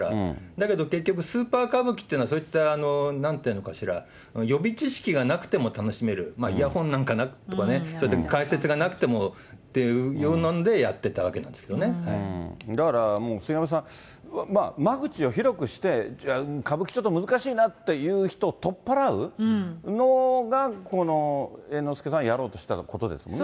だけど結局、スーパー歌舞伎ってのは、そういったなんて言うのかしら、予備知識がなくても楽しめる、イヤホンなんかなくても、そうやって解説がなくてもっていうのでやってたわけなんですけどだから、もう、杉山さん、間口を広くして、歌舞伎、ちょっと難しいなって人を取っ払うのが、この猿之助さんがやろうとしてたことですもんね。